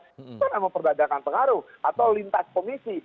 itu kan memang memperdagangkan pengaruh atau lintas komisi